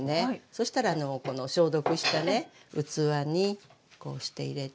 そしたらこの消毒したね器にこうして入れて。